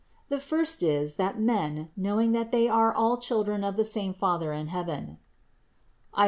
The first is, that men, knowing that they are all children of the same Father in heaven (Is.